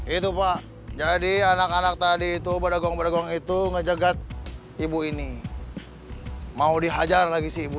itu pak jadi anak anak tadi itu beragam beragam itu ngejegat ibu ini mau dihajar lagi sih ibu